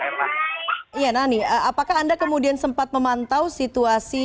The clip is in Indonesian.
iya nani apakah anda kemudian sempat memantau situasi